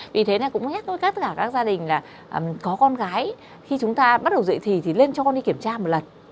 vì thế cũng hét với tất cả các gia đình là có con gái khi chúng ta bắt đầu dạy thì thì lên cho con đi kiểm tra một lần